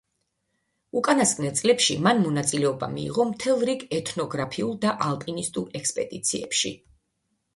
უკანასკნელ წლებში მან მონაწილეობა მიიღო მთელ რიგ ეთნოგრაფიულ და ალპინისტურ ექსპედიციებში.